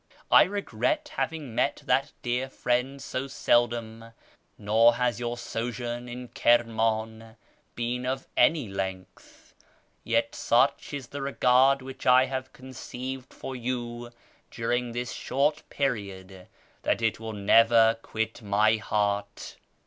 I regret having met that dear friend so seldom, nor has your sojourn in Kiriuaii been of any length ; yet such is the regard which I have conceived for you during this short period that it will never quit my heart.